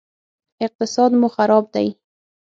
اقتصاد مو خراب دی